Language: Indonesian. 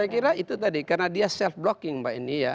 saya kira itu tadi karena dia self blocking mbak ini ya